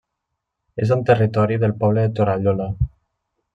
És en territori del poble de Torallola.